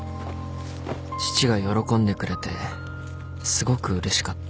父が喜んでくれてすごくうれしかった。